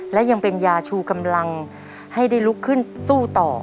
และยังเป็นยาชูกำลังให้ได้ลุกขึ้นสู้ต่อ